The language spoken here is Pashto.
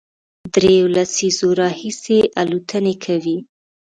درېیو لسیزو راهیسې الوتنې کوي،